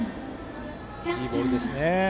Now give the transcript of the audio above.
いいボールですね。